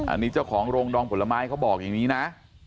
อันนี้เจ้าของโรงดองผลไม้เขาบอกอย่างนี้นะ